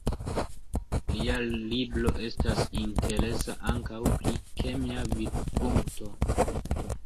Lia libro estas interesa ankaŭ pri kemia vidpunkto.